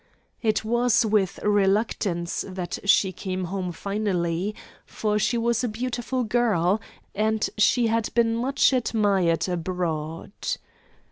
It was with reluctance that she came home finally, for she was a beautiful girl, and she had been much admired abroad.